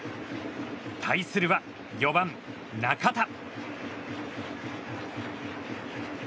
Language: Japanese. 対するは４番、中田。